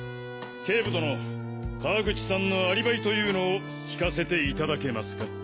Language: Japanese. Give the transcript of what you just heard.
警部殿川口さんのアリバイというのを聞かせていただけますか？